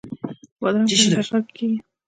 بادرنګ په ننګرهار کې کیږي